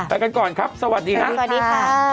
ไปกันก่อนครับสวัสดีค่ะ